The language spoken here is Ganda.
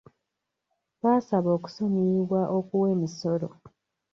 Baasaba okusonyiyibwa okuwa emisolo.